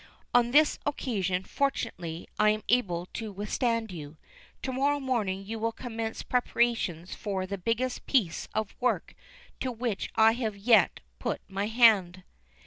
On this occasion fortunately, I am able to withstand you. To morrow morning you will commence preparations for the biggest piece of work to which I have yet put my hand."